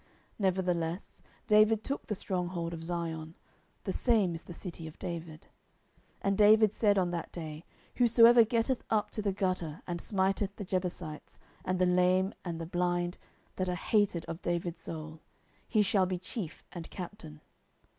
10:005:007 Nevertheless David took the strong hold of Zion: the same is the city of David. 10:005:008 And David said on that day, Whosoever getteth up to the gutter, and smiteth the Jebusites, and the lame and the blind that are hated of David's soul, he shall be chief and captain.